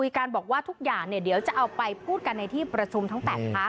มนั้นก็ให้สัมภาษณ์แล้วนะ